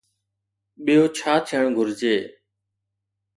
ٻيو ڇا ٿيڻ گهرجي؟